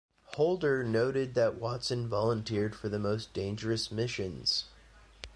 Holder noted that Watson volunteered for the most dangerous missions.